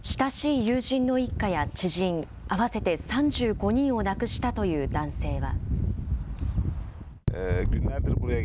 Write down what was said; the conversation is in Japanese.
親しい友人の一家や知人、合わせて３５人を亡くしたという男性は。